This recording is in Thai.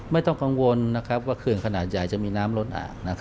ไม่ต้องกังวลว่าเขื่อนขนาดใหญ่จะมีน้ำล้นอ่าง